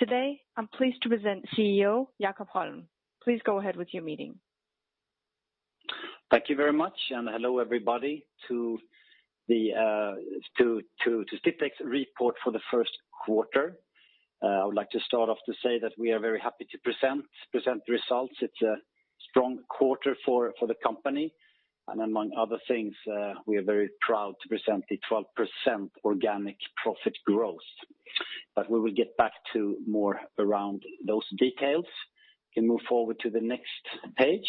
Today, I'm pleased to present CEO Jakob Holm. Please go ahead with your meeting. Thank you very much, hello everybody to Sdiptech's Report For The First Quarter. I would like to start off to say that we are very happy to present the results. It's a strong quarter for the company, and among other things, we are very proud to present the 12% organic profit growth. We will get back to more around those details. You can move forward to the next page.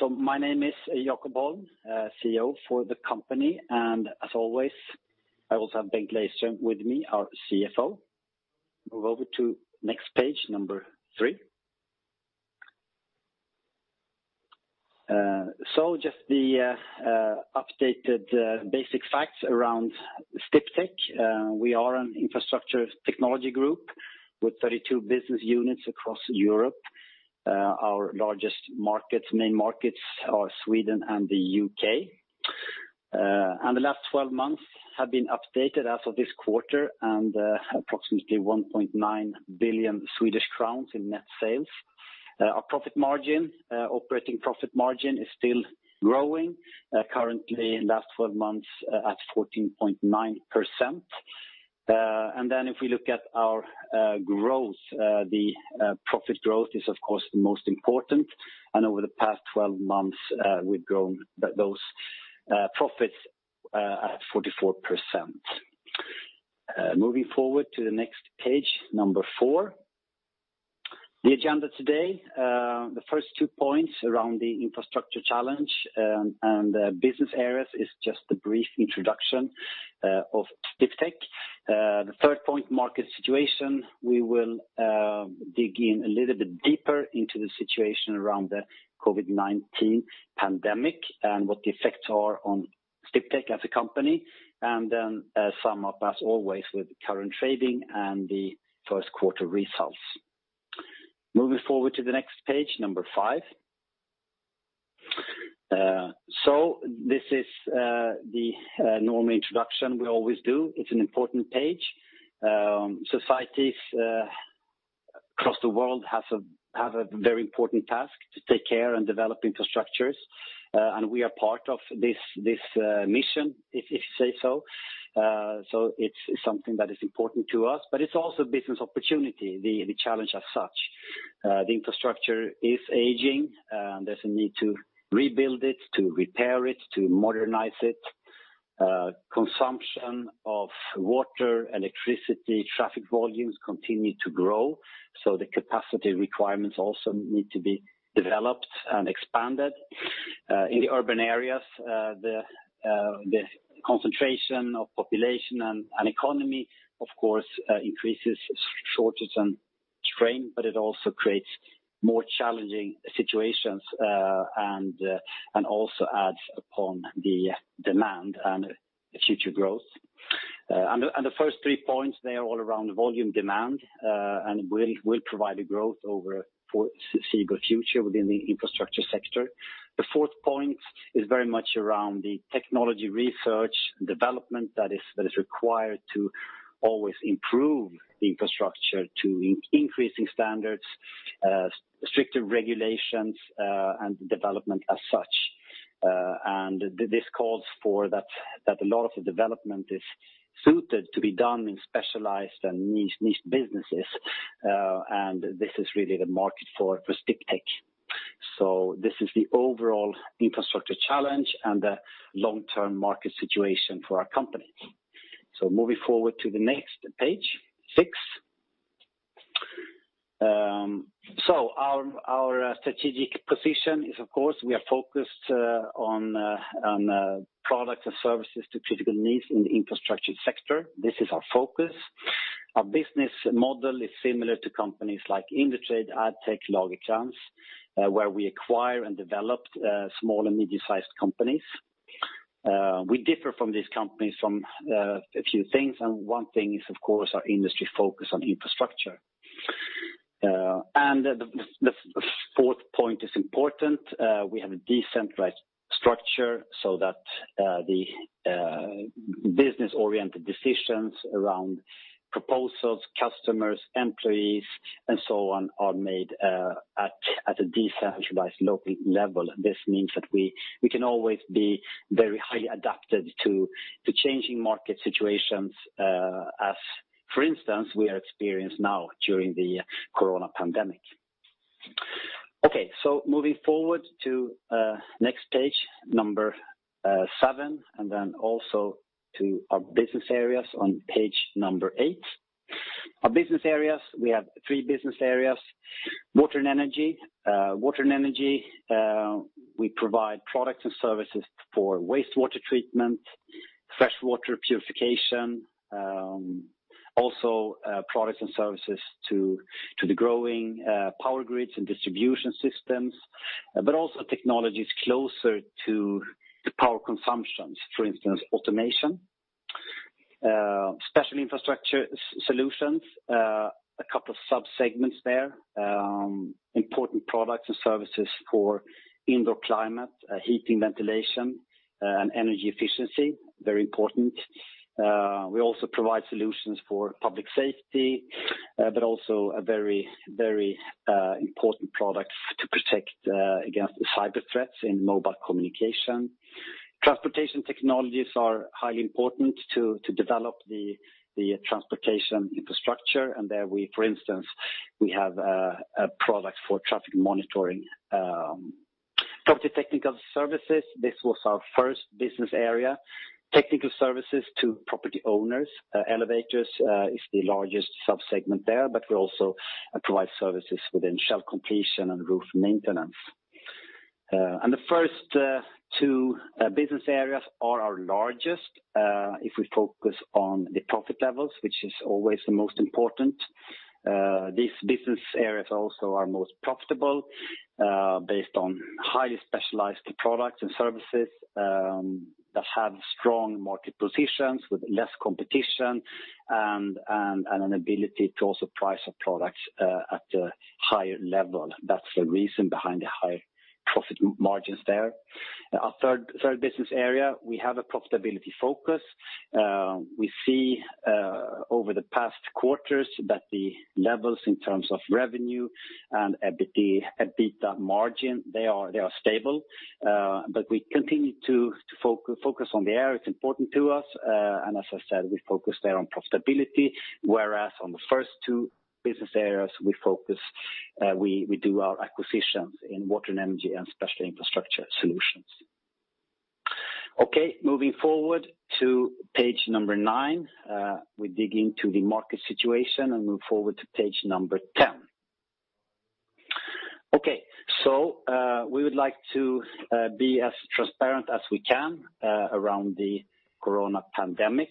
My name is Jakob Holm, CEO for the company, and as always, I also have Bengt Lejdström with me, our CFO. Move over to next page number three. Just the updated basic facts around Sdiptech. We are an infrastructure technology group with 32 business units across Europe. Our largest main markets are Sweden and the U.K. The last 12 months have been updated as of this quarter and approximately 1.9 billion Swedish crowns in net sales. Our operating profit margin is still growing, currently in the last 12 months at 14.9%. If we look at our growth, the profit growth is of course the most important, and over the past 12 months, we've grown those profits at 44%. Moving forward to the next page, number four. The agenda today, the first two points around the infrastructure challenge and business areas is just a brief introduction of Sdiptech. The third point, market situation, we will dig in a little bit deeper into the situation around the COVID-19 pandemic and what the effects are on Sdiptech as a company, and then sum up, as always, with the current trading and the first quarter results. Moving forward to the next page, number five. This is the normal introduction we always do. It's an important page. Societies across the world have a very important task to take care and develop infrastructures. We are part of this mission, if you say so. It's something that is important to us, but it's also a business opportunity, the challenge as such. The infrastructure is aging. There's a need to rebuild it, to repair it, to modernize it. Consumption of water, electricity, traffic volumes continue to grow, so the capacity requirements also need to be developed and expanded. In the urban areas, the concentration of population and economy, of course, increases shortage and strain, but it also creates more challenging situations and also adds upon the demand and future growth. The first three points, they are all around volume demand, and will provide a growth over foreseeable future within the infrastructure sector. The fourth point is very much around the technology research and development that is required to always improve the infrastructure to increasing standards, stricter regulations, and development as such. This calls for that a lot of the development is suited to be done in specialized and niche businesses, and this is really the market for Sdiptech. This is the overall infrastructure challenge and the long-term market situation for our company. Moving forward to the next page, six. Our strategic position is, of course, we are focused on products and services to critical needs in the infrastructure sector. This is our focus. Our business model is similar to companies like Indutrade, Addtech, and Lagercrantz, where we acquire and develop small and medium-sized companies. We differ from these companies from a few things, and one thing is, of course, our industry focus on infrastructure. The fourth point is important. We have a decentralized structure so that the business-oriented decisions around proposals, customers, employees, and so on, are made at a decentralized local level. This means that we can always be very highly adapted to changing market situations as, for instance, we are experienced now during the COVID-19 pandemic. Moving forward to next page, number seven, and then also to our business areas on page number eight. Our business areas, we have three business areas. Water & Energy. Water & Energy, we provide products and services for wastewater treatment, fresh water purification, also products and services to the growing power grids and distribution systems, but also technologies closer to the power consumptions, for instance, automation. Special Infrastructure Solutions, a couple of sub-segments there. Important products and services for indoor climate, heating, ventilation, and energy efficiency, very important. We also provide solutions for public safety, but also a very important product to protect against cyber threats in mobile communication. transportation technologies are highly important to develop the transportation infrastructure, and there, for instance, we have a product for traffic monitoring. Property Technical Services, this was our first business area. Technical services to property owners. Elevators is the largest sub-segment there, but we also provide services within shell completion and roof maintenance. The first two business areas are our largest if we focus on the profit levels, which is always the most important. These business areas also are most profitable based on highly specialized products and services that have strong market positions with less competition, and an ability to also price our products at a higher level. That's the reason behind the high profit margins there. Our third business area, we have a profitability focus. We see over the past quarters that the levels in terms of revenue and EBITDA margin, they are stable. We continue to focus on the area. It's important to us, and as I said, we focus there on profitability, whereas on the first two business areas, we do our acquisitions in Water & Energy and Special Infrastructure Solutions. Moving forward to page number nine. We dig into the market situation and move forward to page number 10. We would like to be as transparent as we can around the coronavirus pandemic,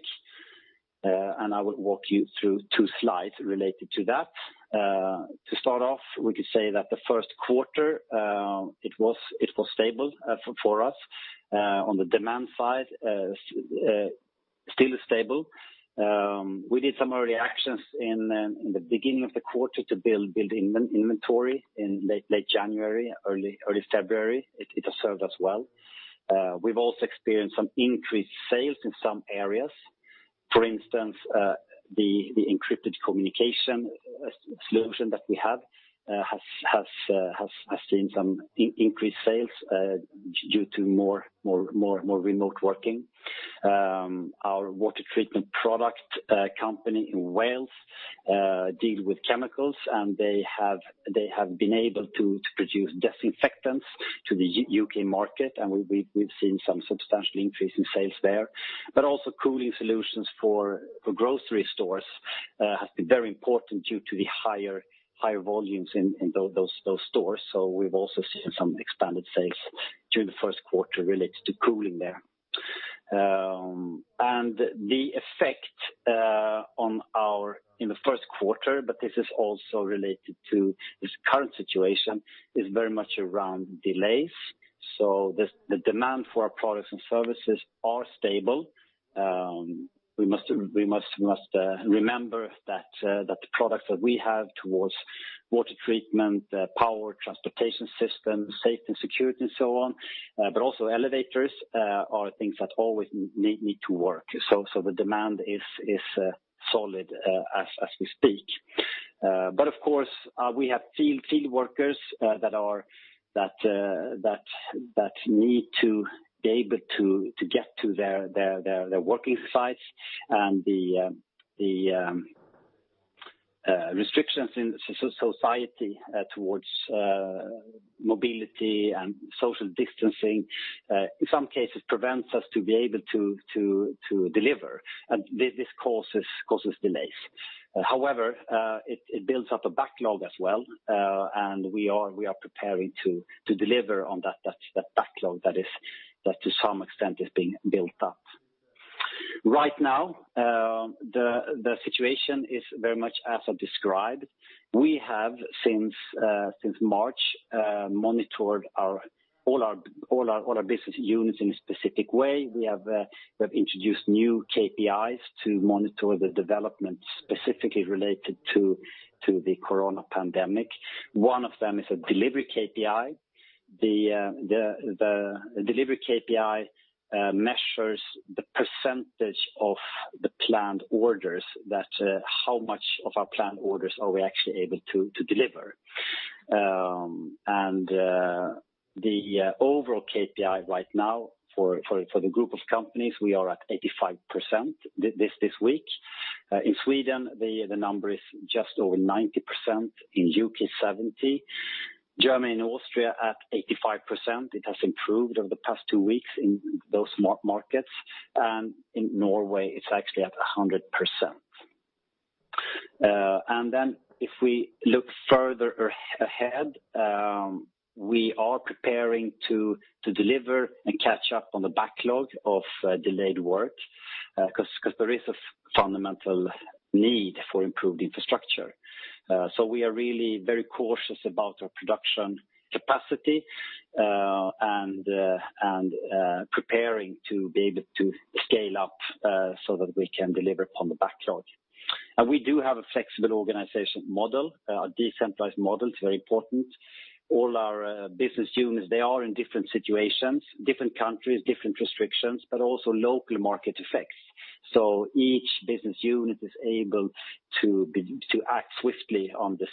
and I will walk you through two slides related to that. To start off, we could say that the first quarter, it was stable for us. On the demand side, still stable. We did some early actions in the beginning of the quarter to build inventory in late January, early February. It has served us well. We've also experienced some increased sales in some areas. For instance, the encrypted communication solution that we have has seen some increased sales due to more remote working. Our Water Treatment Products company in Wales deal with chemicals, and they have been able to produce disinfectants to the U.K. market, and we've seen some substantial increase in sales there. Also cooling solutions for grocery stores has been very important due to the higher volumes in those stores. We've also seen some expanded sales during the first quarter related to cooling there. The effect in the first quarter, but this is also related to this current situation, is very much around delays. The demand for our products and services are stable. We must remember that the products that we have towards water treatment, power, transportation systems, safety and security, and so on, but also elevators are things that always need to work. The demand is solid as we speak. Of course, we have field workers that need to be able to get to their working sites, and the restrictions in society towards mobility and social distancing in some cases prevents us to be able to deliver, and this causes delays. However, it builds up a backlog as well, and we are preparing to deliver on that backlog that to some extent is being built up. Right now, the situation is very much as I described. We have since March monitored all our business units in a specific way. We have introduced new KPIs to monitor the development specifically related to the coronavirus pandemic. One of them is a delivery KPI. The delivery KPI measures the percentage of the planned orders, that how much of our planned orders are we actually able to deliver. The overall KPI right now for the group of companies, we are at 85% this week. In Sweden, the number is just over 90%, in U.K. 70%, Germany and Austria at 85%. It has improved over the past two weeks in those markets. In Norway, it's actually at 100%. If we look further ahead, we are preparing to deliver and catch up on the backlog of delayed work, because there is a fundamental need for improved infrastructure. We are really very cautious about our production capacity, and preparing to be able to scale up so that we can deliver upon the backlog. We do have a flexible organizational model, a decentralized model. It's very important. All our business units, they are in different situations, different countries, different restrictions, but also local market effects. Each business unit is able to act swiftly on the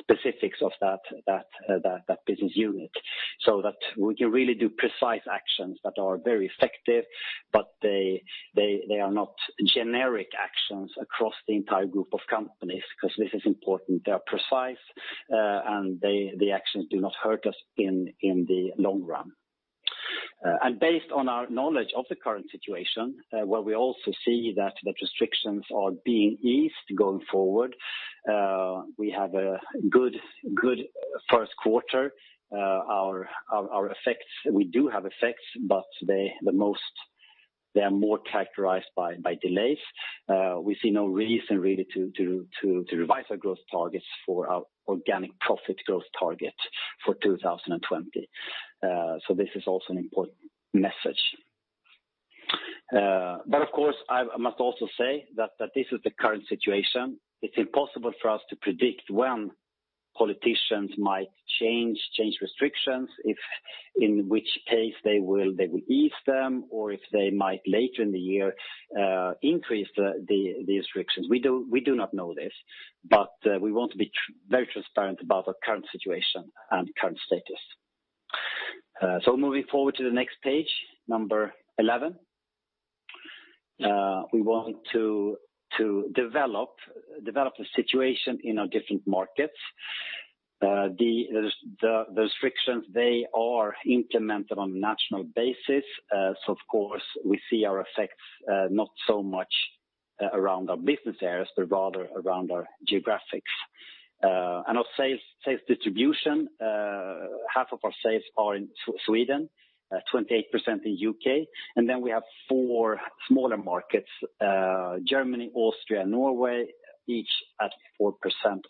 specifics of that business unit, so that we can really do precise actions that are very effective, but they are not generic actions across the entire group of companies, because this is important. They are precise, and the actions do not hurt us in the long-run. Based on our knowledge of the current situation, where we also see that the restrictions are being eased going forward, we have a good first quarter. We do have effects, but they are more characterized by delays. We see no reason really to revise our growth targets for our organic profit growth target for 2020. This is also an important message. Of course, I must also say that this is the current situation. It's impossible for us to predict when politicians might change restrictions, in which case they will ease them, or if they might later in the year increase the restrictions. We do not know this, but we want to be very transparent about our current situation and current status. Moving forward to the next page, number 11. We want to develop the situation in our different markets. The restrictions, they are implemented on a national basis. Of course, we see our effects not so much around our business areas, but rather around our geographics. Our sales distribution, half of our sales are in Sweden, 28% in U.K., and then we have four smaller markets, Germany, Austria, and Norway, each at 4%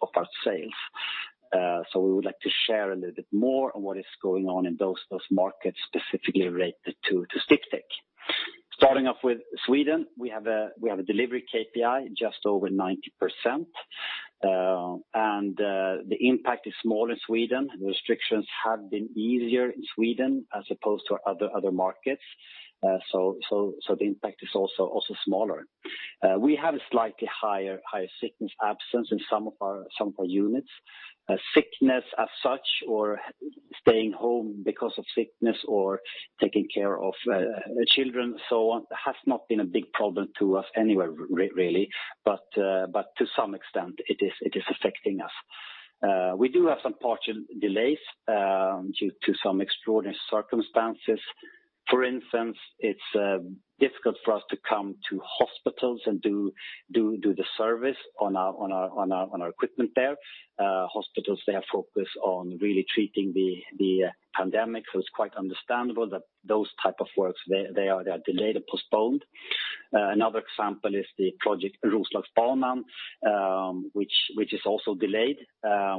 of our sales. We would like to share a little bit more on what is going on in those markets specifically related to Sdiptech. Starting off with Sweden, we have a delivery KPI just over 90%, and the impact is small in Sweden. The restrictions have been easier in Sweden as opposed to other markets. The impact is also smaller. We have a slightly higher sickness absence in some of our units. Sickness as such, or staying home because of sickness or taking care of children, so on, has not been a big problem to us anywhere really, but to some extent, it is affecting us. We do have some partial delays due to some extraordinary circumstances. For instance, it's difficult for us to come to hospitals and do the service on our equipment there. Hospitals, they have focused on really treating the pandemic, so it's quite understandable that those type of works, they are delayed or postponed. Another example is the project Roslagsbanan which is also delayed.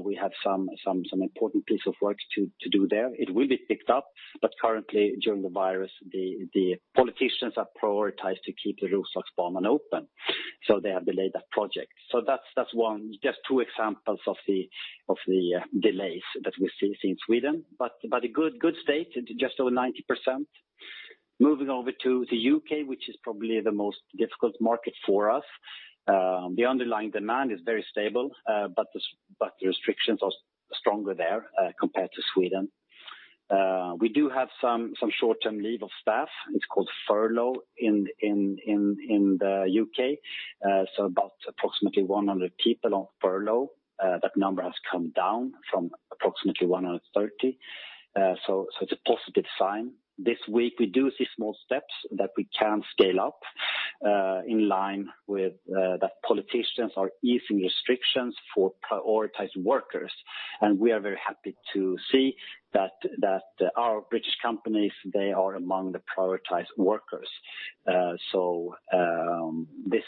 We have some important piece of works to do there. It will be picked up, but currently during the virus, the politicians have prioritized to keep the Roslagsbanan open. They have delayed that project. That's just two examples of the delays that we see in Sweden, but a good state at just over 90%. Moving over to the U.K., which is probably the most difficult market for us. The underlying demand is very stable, but the restrictions are stronger there compared to Sweden. We do have some short-term leave of staff. It's called furlough in the U.K. About approximately 100 people on furlough. That number has come down from approximately 130, so it's a positive sign. This week, we do see small steps that we can scale up in line with the politicians are easing restrictions for prioritized workers. We are very happy to see that our British companies, they are among the prioritized workers. This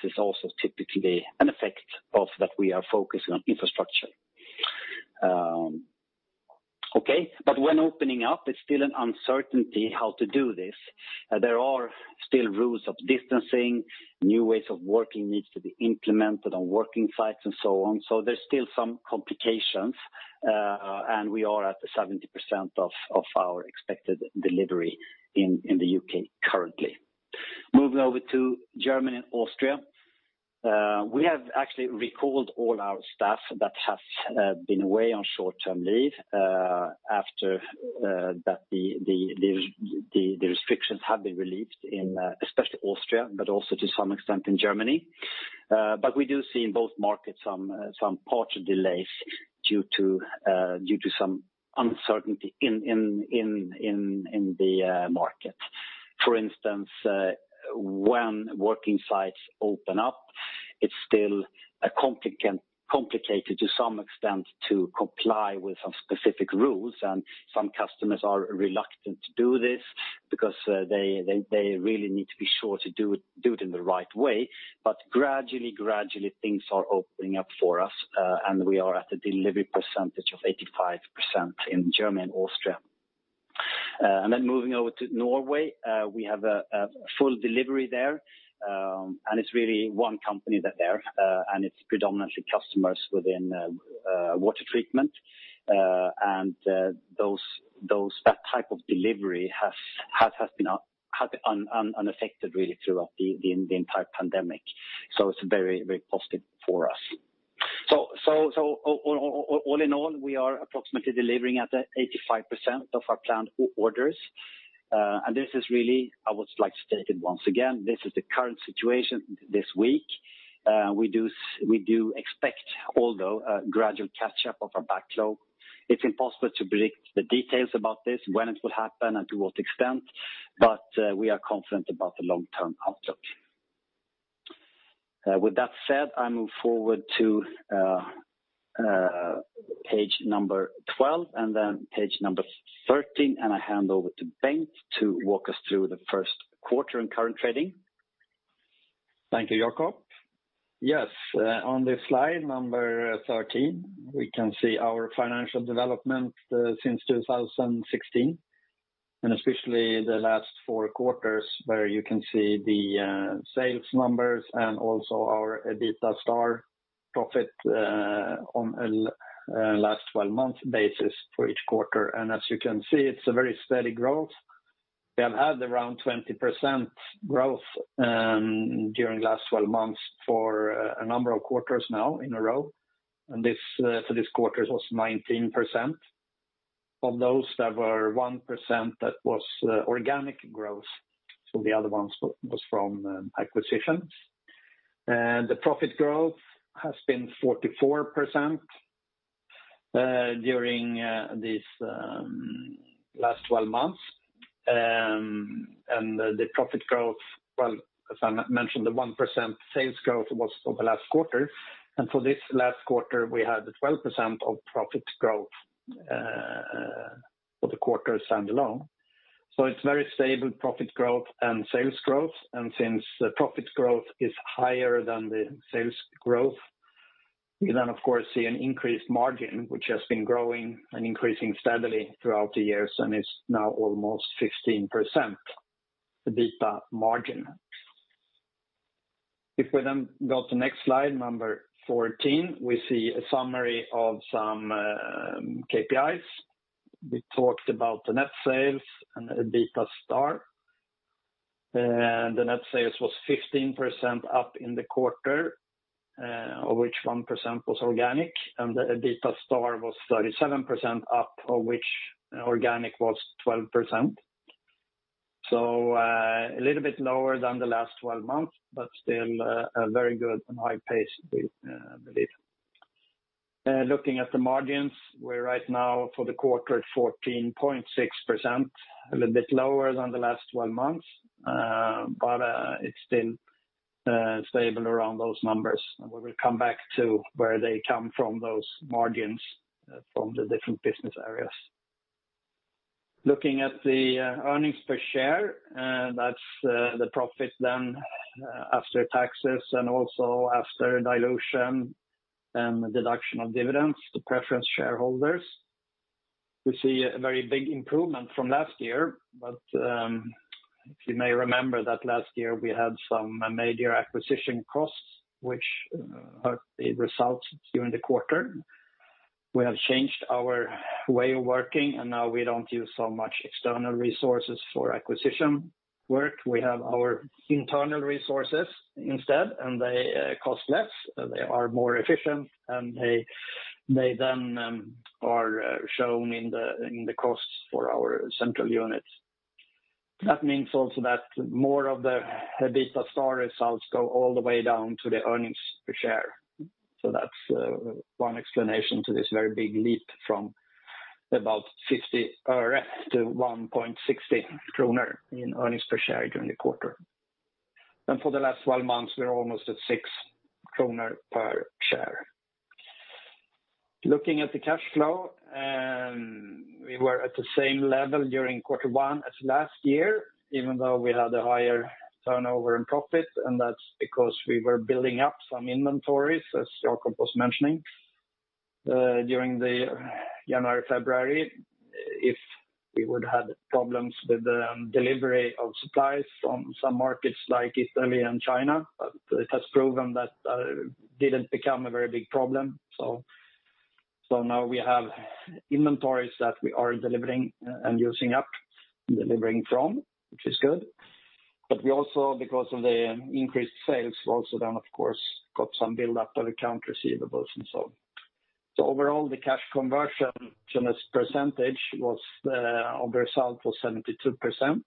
is also typically an effect of that we are focusing on infrastructure. Okay. When opening up, it's still an uncertainty how to do this. There are still rules of distancing, new ways of working needs to be implemented on working sites and so on. There's still some complications, and we are at the 70% of our expected delivery in the U.K. currently. Moving over to Germany and Austria. We have actually recalled all our staff that have been away on short-term leave after the restrictions have been released in especially Austria, but also to some extent in Germany. We do see in both markets some partial delays due to some uncertainty in the market. For instance, when working sites open up, it's still complicated to some extent to comply with some specific rules, and some customers are reluctant to do this because they really need to be sure to do it in the right way. Gradually things are opening up for us, and we are at a delivery percentage of 85% in Germany and Austria. Moving over to Norway, we have a full delivery there, and it's really one company there, and it's predominantly customers within water treatment. That type of delivery has been unaffected really throughout the entire pandemic, so it's very positive for us. All in all, we are approximately delivering at 85% of our planned orders. I would like to state it once again, this is the current situation this week. We do expect, although, a gradual catch-up of our backlog. It's impossible to predict the details about this, when it will happen and to what extent, but we are confident about the long-term outlook. With that said, I move forward to page number 12 and then page number 13, and I hand over to Bengt to walk us through the first quarter and current trading. Thank you, Jakob. Yes, on this slide number 13, we can see our financial development since 2016 and especially the last four quarters where you can see the sales numbers and also our EBITA* profit on a last 12-month basis for each quarter. As you can see it's a very steady growth. We have had around 20% growth during last 12 months for a number of quarters now in a row, and for this quarter it was 19%. Of those there were 1% that was organic growth, so the other one was from acquisitions. The profit growth has been 44% during these last 12 months. As I mentioned, the 1% sales growth was for the last quarter, and for this last quarter we had the 12% of profit growth for the quarter stand alone. It's very stable profit growth and sales growth, Since the profit growth is higher than the sales growth, you of course see an increased margin which has been growing and increasing steadily throughout the years and is now almost 15%, the EBITDA margin. If we go to next slide 14, we see a summary of some KPIs. We talked about the net sales and the EBITA*. The net sales was 15% up in the quarter, of which 1% was organic and the EBITA* was 37% up, of which organic was 12%. A little bit lower than the last 12 months, but still a very good and high pace I believe. Looking at the margins, we're right now for the quarter at 14.6%, a little bit lower than the last 12 months. It's been stable around those numbers and we will come back to where they come from those margins from the different business areas. Looking at the earnings per share, that's the profit then after taxes and also after dilution and deduction of dividends to preference shareholders. We see a very big improvement from last year. You may remember that last year we had some major acquisition costs which hurt the results during the quarter. We have changed our way of working. Now we don't use so much external resources for acquisition work. We have our internal resources instead. They cost less, they are more efficient, they then are shown in the costs for our central unit. That means also that more of the EBITA* results go all the way down to the earnings per share. That's one explanation to this very big leap from about SEK 0.50 to 1.60 kronor in earnings per share during the quarter. For the last 12 months we're almost at 6 kronor per share. Looking at the cash flow, we were at the same level during quarter one as last year, even though we had a higher turnover in profit, and that's because we were building up some inventories, as Jakob was mentioning during the January, February, if we would have problems with the delivery of supplies from some markets like Italy and China. It has proven that didn't become a very big problem, so now we have inventories that we are delivering and using up, delivering from, which is good. We also because of the increased sales also then of course got some build-up of accounts receivable and so on. Overall, the cash conversion percentage of the result was 72%.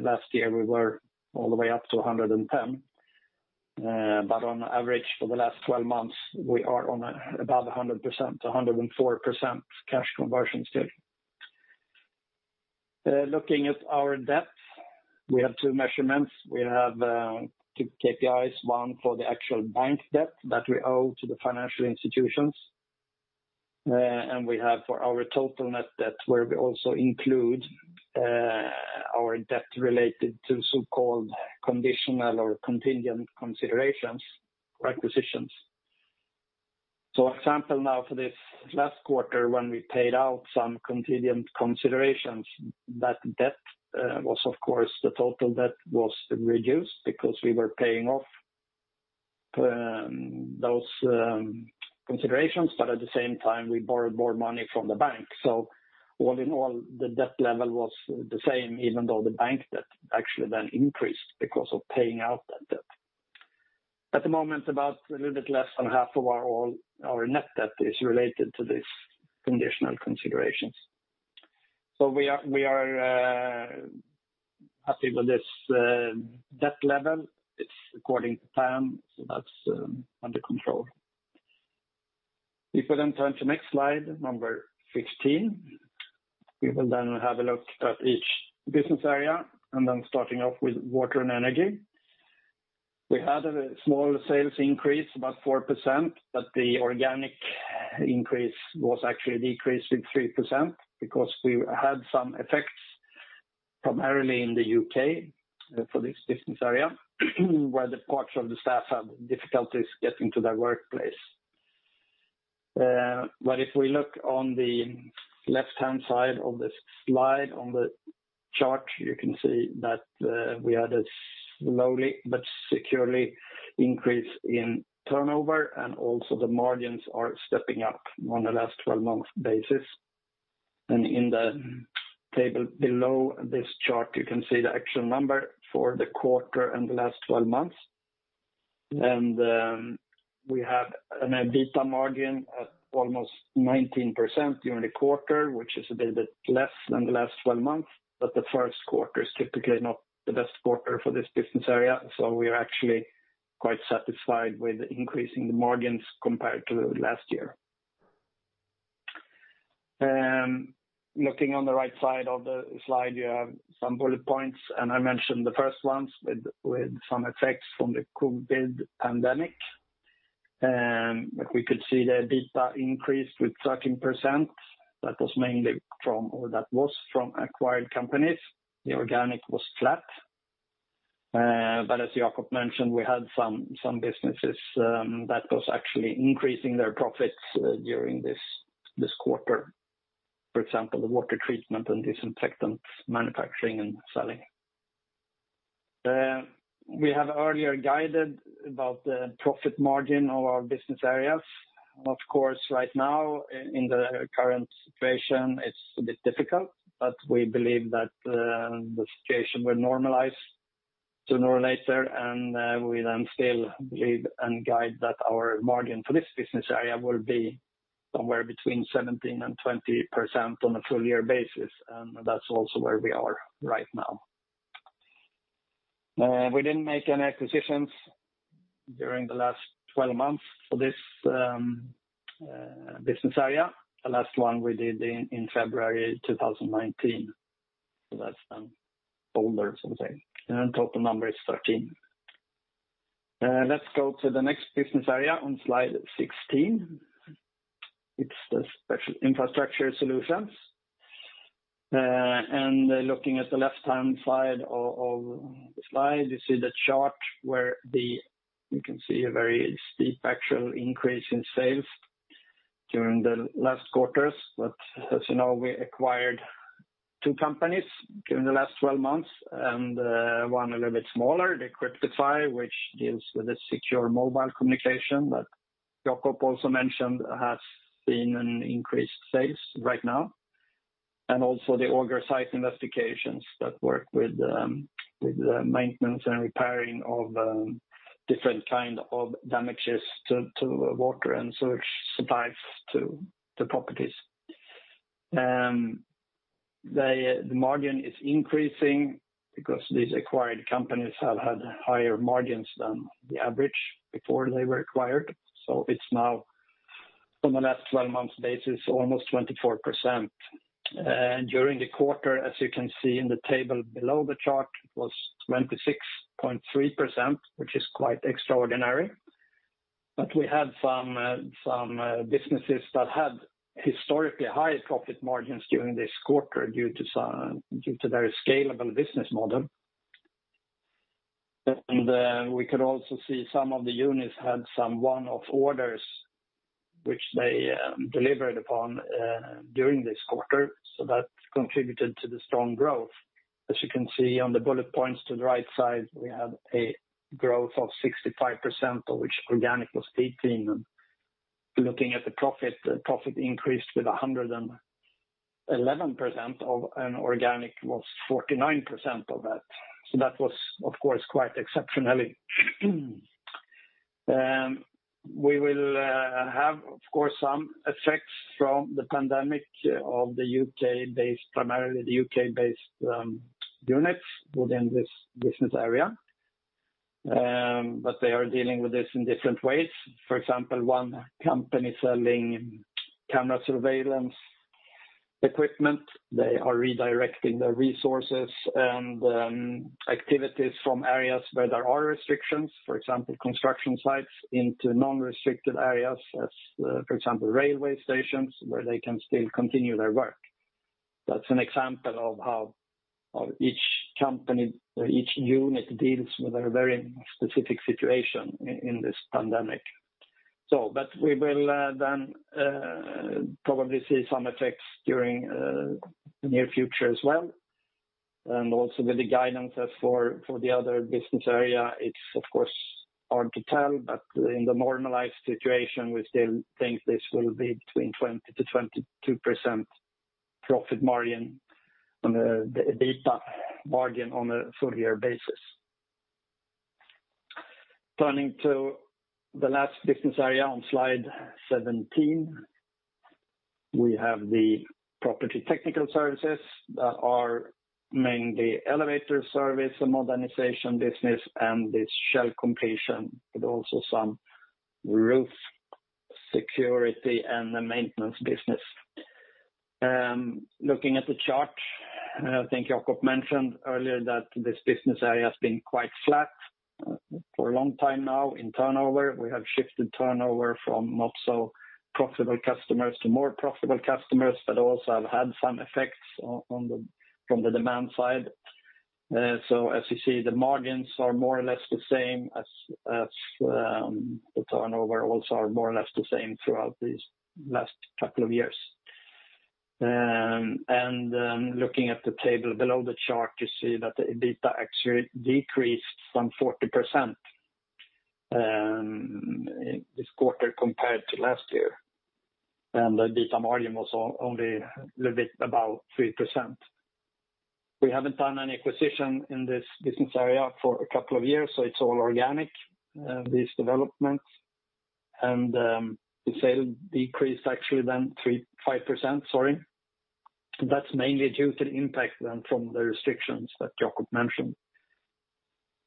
Last year we were all the way up to 110, but on average over the last 12 months we are on about 100%-104% cash conversion still. Looking at our debt, we have two measurements. We have two KPIs, one for the actual bank debt that we owe to the financial institutions. We have for our total net debt where we also include our debt related to so-called conditional or contingent considerations for acquisitions. For example, now for this last quarter when we paid out some contingent considerations, that debt was of course, the total debt was reduced because we were paying off those considerations. At the same time, we borrowed more money from the bank. All in all, the debt level was the same, even though the bank debt actually increased because of paying out that debt. At the moment, about a little bit less than half of our net debt is related to these contingent considerations. We are happy with this debt level. It's according to plan, so that's under control. If we then turn to next slide, number 15. We will then have a look at each business area, and I'm starting off with Water & Energy. We had a small sales increase, about 4%, but the organic increase was actually a decrease with 3% because we had some effects, primarily in the U.K. for this business area, where parts of the staff had difficulties getting to their workplace. If we look on the left-hand side of this slide on the chart, you can see that we had a slowly but securely increase in turnover, and also the margins are stepping up on the last 12 months basis. In the table below this chart, you can see the actual number for the quarter and the last 12 months. We have an EBITDA margin at almost 19% during the quarter, which is a little bit less than the last 12 months, but the first quarter is typically not the best quarter for this business area, so we are actually quite satisfied with increasing the margins compared to last year. Looking on the right side of the slide, you have some bullet points, and I mentioned the first ones with some effects from the COVID pandemic. We could see the EBITDA increased with 13%. That was mainly from acquired companies. The organic was flat. As Jakob mentioned, we had some businesses that was actually increasing their profits during this quarter. For example, the water treatment and disinfectant manufacturing and selling. We have earlier guided about the profit margin of our business areas. Of course, right now in the current situation, it's a bit difficult. We believe that the situation will normalize sooner or later, we then still believe and guide that our margin for this Business Area will be somewhere between 17% and 20% on a full-year basis, and that's also where we are right now. We didn't make any acquisitions during the last 12 months for this Business Area. The last one we did in February 2019. That's older sort of thing. The total number is 13. Let's go to the next Business Area on slide 16. It's the Special Infrastructure Solutions. Looking at the left-hand side of the slide, you see the chart where you can see a very steep actual increase in sales during the last quarters. As you know, we acquired two companies during the last 12 months, and one a little bit smaller, the Cryptify, which deals with the secure mobile communication that Jakob also mentioned has seen an increased sales right now. Also the Auger Site Investigations that work with the maintenance and repairing of different kind of damages to water and sewage supplies to the properties. The margin is increasing because these acquired companies have had higher margins than the average before they were acquired. It's now from a last 12 months basis, almost 24%. During the quarter, as you can see in the table below the chart, was 26.3%, which is quite extraordinary. We had some businesses that had historically high profit margins during this quarter due to their scalable business model. We could also see some of the units had some one-off orders which they delivered upon during this quarter, so that contributed to the strong growth. As you can see on the bullet points to the right side, we had a growth of 65%, of which organic was 18%. Looking at the profit, the profit increased with 111% of an organic was 49% of that. That was, of course, quite exceptional. We will have, of course, some effects from the pandemic of the U.K.-based, primarily the U.K.-based units within this business area, but they are dealing with this in different ways. For example, one company selling camera surveillance equipment, they are redirecting their resources and activities from areas where there are restrictions, for example, construction sites into non-restricted areas as, for example, railway stations where they can still continue their work. That's an example of how each unit deals with a very specific situation in this pandemic. We will then probably see some effects during the near future as well, and also with the guidance as for the other business area, it's of course hard to tell, but in the normalized situation, we still think this will be between 20%-22% profit margin on the EBITDA margin on a full-year basis. Turning to the last business area on slide 17. We have the Property Technical Services that are mainly elevator service and modernization business and the shell completion, but also some roof security and the maintenance business. Looking at the chart, I think Jakob mentioned earlier that this business area has been quite flat for a long time now in turnover. We have shifted turnover from not so profitable customers to more profitable customers, but also have had some effects from the demand side. As you see, the margins are more or less the same as the turnover also are more or less the same throughout these last couple of years. Looking at the table below the chart, you see that the EBITDA actually decreased some 40% this quarter compared to last year. The EBITDA margin was only a little bit above 3%. We haven't done any acquisition in this business area for a couple of years, so it's all organic, these developments. The sale decreased actually then 35%, sorry. That's mainly due to the impact then from the restrictions that Jakob mentioned.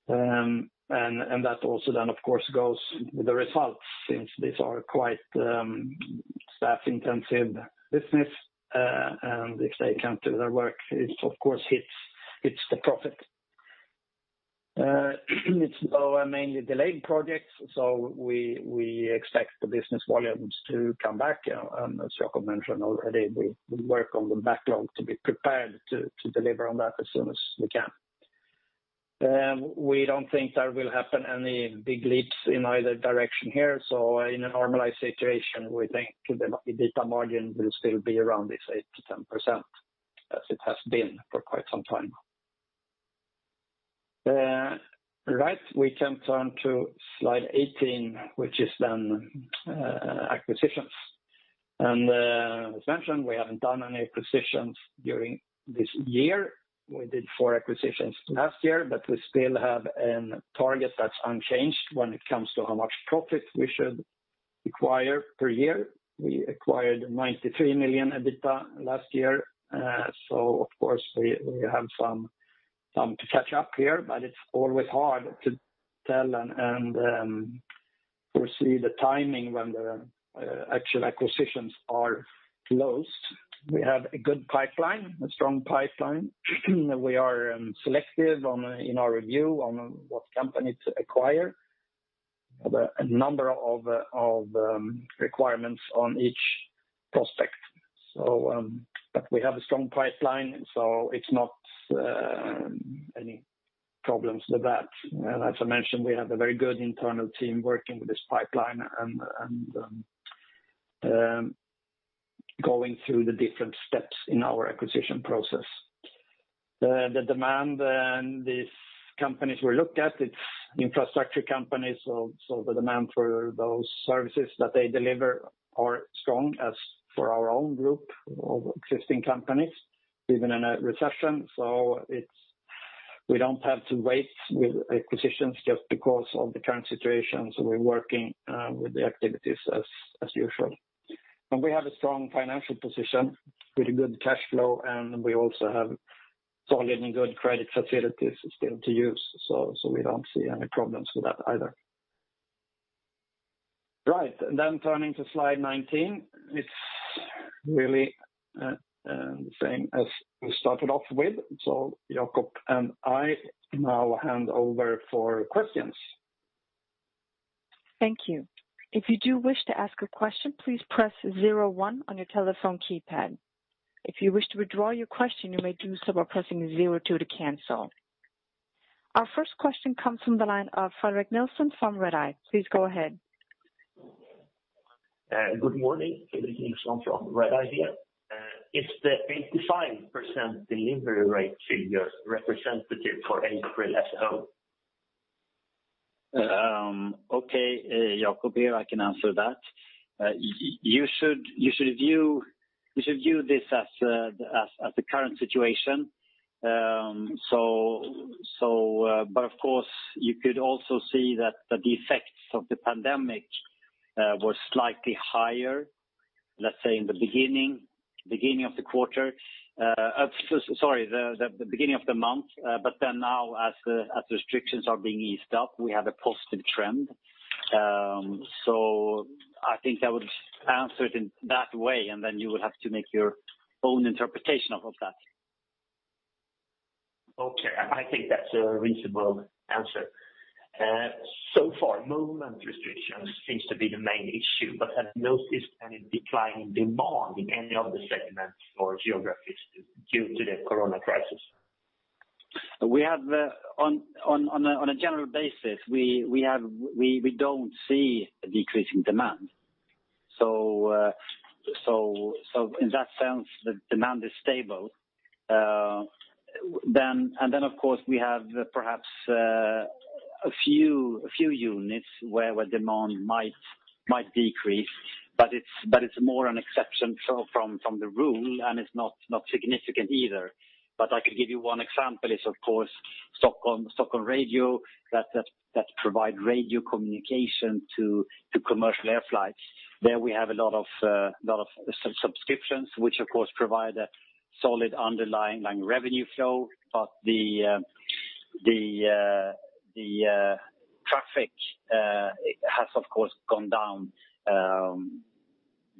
That also then of course goes with the results since these are quite staff intensive business. If they can't do their work, it of course hits the profit. It's mainly delayed projects, so we expect the business volumes to come back. As Jakob mentioned already, we work on the backlog to be prepared to deliver on that as soon as we can. We don't think there will happen any big leaps in either direction here. In a normalized situation, we think the EBITDA margin will still be around this 8%-10%, as it has been for quite some time. Right, we can turn to slide 18, which is then acquisitions. As mentioned, we haven't done any acquisitions during this year. We did four acquisitions last year. We still have a target that's unchanged when it comes to how much profit we should acquire per year. We acquired 93 million EBITDA last year. Of course we have some to catch up here. It's always hard to tell and foresee the timing when the actual acquisitions are closed. We have a good pipeline, a strong pipeline. We are selective in our review on what company to acquire. We have a number of requirements on each prospect. We have a strong pipeline. It's not any problems with that. As I mentioned, we have a very good internal team working with this pipeline and going through the different steps in our acquisition process. The demand and these companies we look at, it's infrastructure companies, the demand for those services that they deliver are strong as for our own group of existing companies, even in a recession. We don't have to wait with acquisitions just because of the current situation. We're working with the activities as usual. We have a strong financial position with a good cash flow, and we also have solid and good credit facilities still to use. We don't see any problems with that either. Right, turning to slide 19. It's really the same as we started off with. Jakob and I now hand over for questions. Thank you. If you do wish to ask a question, please press zero one on your telephone keypad. If you wish to withdraw your question, you may do so by pressing zero two to cancel. Our first question comes from the line of Fredrik Nilsson from Redeye. Please go ahead. Good morning. Fredrik Nilsson from Redeye here. Is the 85% delivery rate figure representative for April as a whole? Okay, Jakob here. I can answer that. You should view this as the current situation. Of course, you could also see that the effects of the pandemic were slightly higher, let's say in the beginning of the quarter. Sorry, the beginning of the month. Now as restrictions are being eased up, we have a positive trend. I think I would answer it in that way, and then you would have to make your own interpretation of that. Okay. I think that's a reasonable answer. So far, movement restrictions seems to be the main issue, but have you noticed any decline in demand in any of the segments or geographies due to the corona crisis? On a general basis, we don't see a decrease in demand. In that sense, the demand is stable. Of course, we have perhaps a few units where demand might decrease, but it's more an exception from the rule, and it's not significant either. I can give you one example is, of course, Stockholm Radio that provide radio communication to commercial air flights. There we have a lot of subscriptions, which of course provide a solid underlying revenue flow. The traffic has, of course, gone down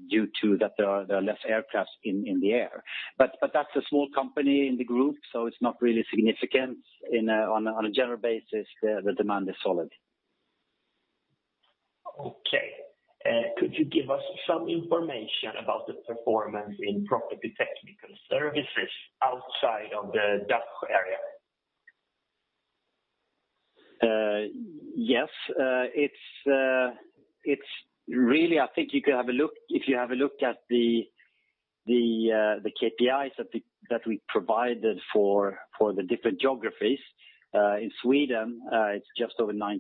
due to that there are less aircrafts in the air. That's a small company in the group, so it's not really significant. On a general basis, the demand is solid. Okay. Could you give us some information about the performance in Property Technical Services outside of the DACH area? Yes. I think if you have a look at the KPIs that we provided for the different geographies. In Sweden, it is just over 90%,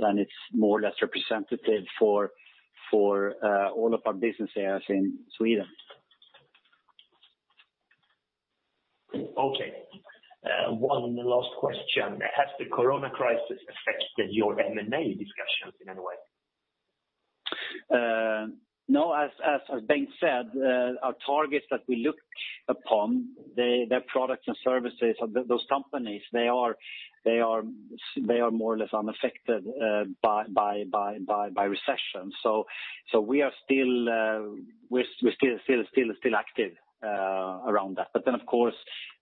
and it is more or less representative for all of our business areas in Sweden. Okay. One last question. Has the corona crisis affected your M&A discussions in any way? No, as Bengt said, our targets that we look upon, their products and services of those companies, they are more or less unaffected by recession. We're still active around that. Of course,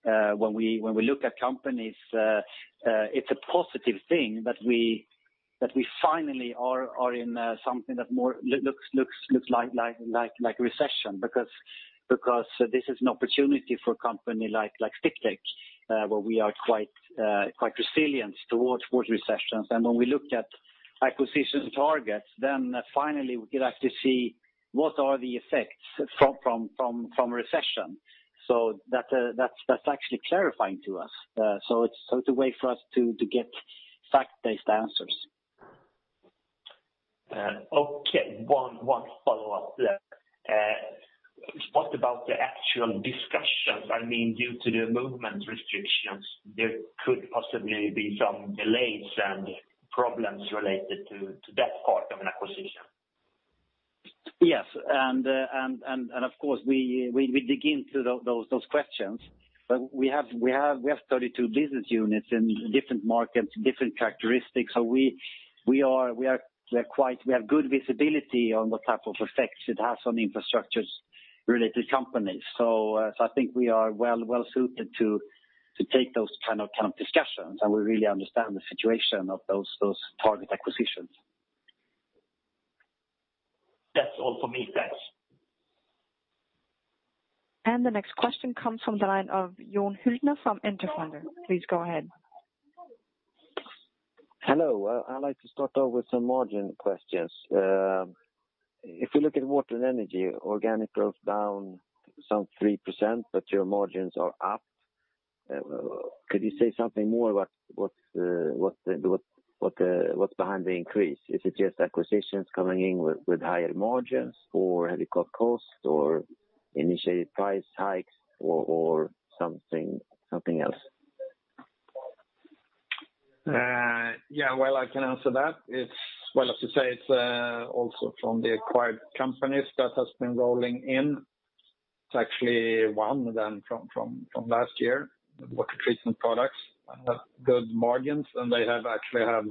when we look at companies, it's a positive thing that we finally are in something that more looks like recession, because this is an opportunity for a company like Sdiptech where we are quite resilient towards recessions. When we look at acquisition targets, then finally we could actually see what are the effects from recession. That's actually clarifying to us. It's a way for us to get fact-based answers. Okay. One follow-up there. What about the actual discussions? Due to the movement restrictions, there could possibly be some delays and problems related to that part of an acquisition. Yes. Of course, we dig into those questions. We have 32 business units in different markets, different characteristics. We have good visibility on what type of effects it has on infrastructures related to companies. I think we are well-suited to take those kind of discussions, and we really understand the situation of those target acquisitions. That's all for me. Thanks. The next question comes from the line of Jon Hyltner from Enter Fonder. Please go ahead. Hello. I'd like to start off with some margin questions. If you look at Water & Energy, organic growth down some 3%. Your margins are up. Could you say something more what's behind the increase? Is it just acquisitions coming in with higher margins, or have you cut costs or initiated price hikes or something else? Well, I can answer that. As you say, it is also from the acquired companies that has been rolling in. It is actually one from last year, Water Treatment Products have good margins, and they have actually had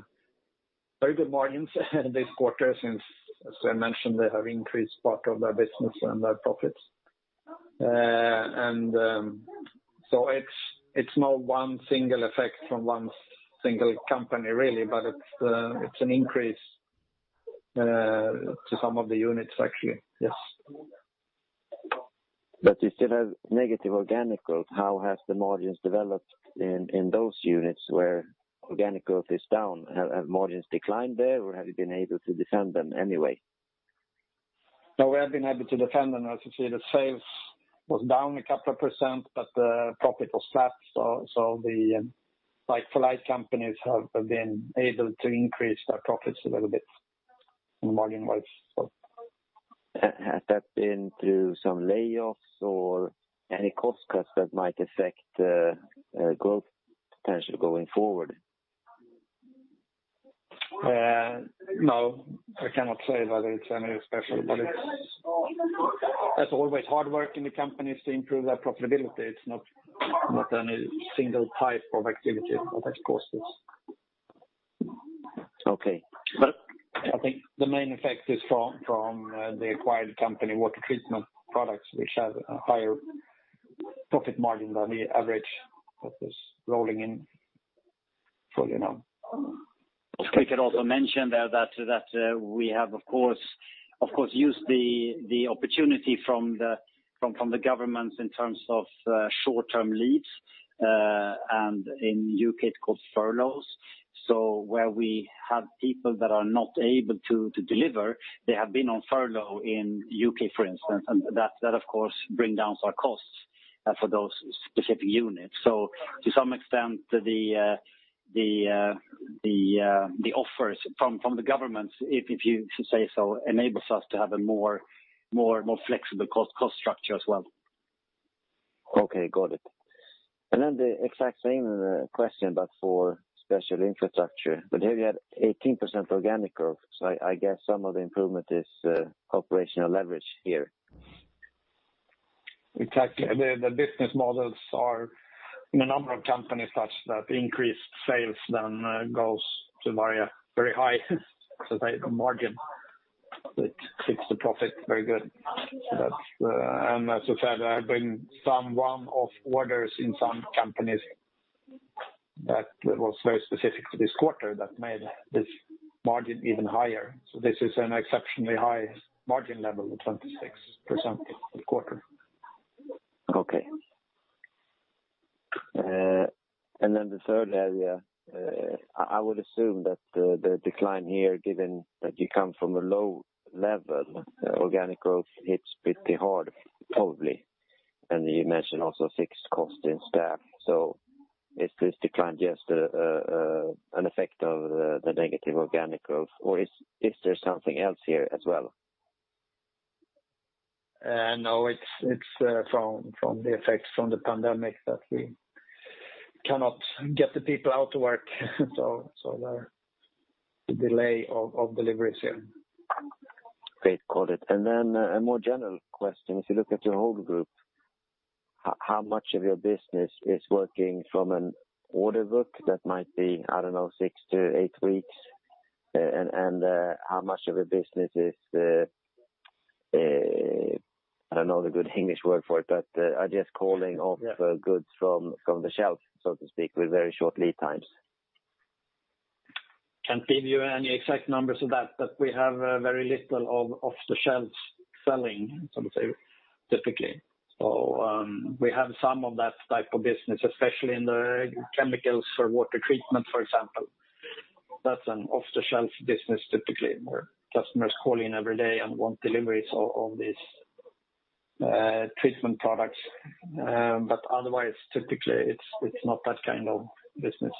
very good margins this quarter since, as I mentioned, they have increased part of their business and their profits. It is not one single effect from one single company really, but it is an increase to some of the units, actually. Yes. You still have negative organic growth. How has the margins developed in those units where organic growth is down? Have margins declined there, or have you been able to defend them anyway? No, we have been able to defend them. As you say, the sales was down a couple of percent, but the profit was flat. The [like-for-like]companies have been able to increase their profits a little bit margin-wise. Has that been through some layoffs or any cost cuts that might affect growth potential going forward? No, I cannot say that it's any special, but that's always hard work in the companies to improve their profitability. It's not any single type of activity that causes. Okay. I think the main effect is from the acquired company, Water Treatment Products, which have a higher profit margin than the average that is rolling in fully now. Okay. We could also mention there that we have, of course, used the opportunity from the government in terms of short-term leads, in U.K. it's called furloughs. Where we have people that are not able to deliver, they have been on furlough in U.K., for instance, and that of course bring down our costs for those specific units. To some extent, the offers from the government, if you say so, enables us to have a more flexible cost structure as well. Got it. The exact same question, but for Special Infrastructure. Here you had 18% organic growth. I guess some of the improvement is operational leverage here. Exactly. The business models are in a number of companies such that increased sales then goes to very high so say the margin that fits the profit very good. As we said, there have been some one-off orders in some companies that was very specific to this quarter that made this margin even higher. This is an exceptionally high margin level of 26% this quarter. Okay. The third area, I would assume that the decline here, given that you come from a low level organic growth hits pretty hard, probably. You mentioned also fixed cost in staff. Is this decline just an effect of the negative organic growth, or is there something else here as well? No, it's from the effects from the pandemic that we cannot get the people out to work. The delay of deliveries here. Great. Got it. A more general question. If you look at your whole group, how much of your business is working from an order book that might be, I don't know, six to eight weeks? How much of your business is I don't know the good English word for it, but are just calling off goods from the shelf, so to speak, with very short-lead times? Can't give you any exact numbers of that. We have very little off-the-shelf selling, some say, typically. We have some of that type of business, especially in the chemicals for water treatment, for example. That's an off-the-shelf business typically, where customers call in every day and want deliveries of these treatment products. Otherwise, typically, it's not that kind of business.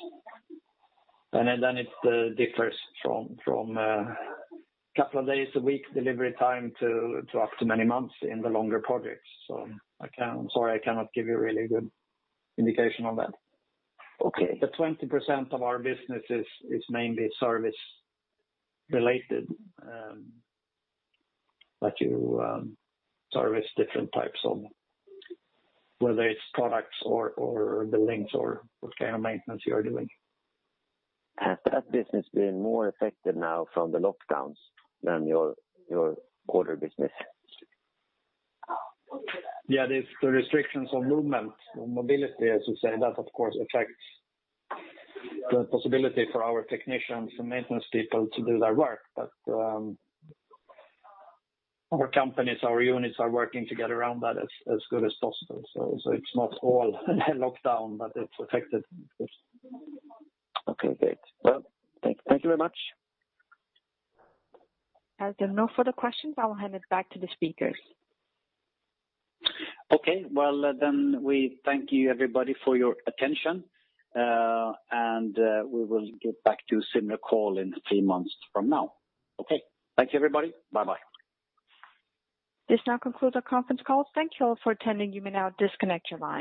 It differs from a couple of days a week delivery time to up to many months in the longer projects. I'm sorry, I cannot give you a really good indication on that. Okay. 20% of our business is mainly service related, that you service different types of whether it's products or buildings or what kind of maintenance you are doing. Has that business been more affected now from the lockdowns than your order business? Yeah, the restrictions on movement or mobility, as you say, that of course affects the possibility for our technicians and maintenance people to do their work. Our companies, our units are working to get around that as good as possible. It's not all locked down, but it's affected, of course. Okay, great. Well, thank you very much. As there are no further questions, I will hand it back to the speakers. Okay. Well, we thank you everybody for your attention, we will get back to a similar call in three months from now. Okay. Thank you everybody. Bye bye. This now concludes our conference call. Thank you all for attending. You may now disconnect your lines.